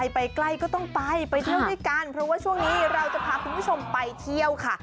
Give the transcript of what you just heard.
ไปไกลก็ต้องไปเพื่อว่าช่วงนี้เราจะพาคุณผู้ชมไปเที่ยวค่ะ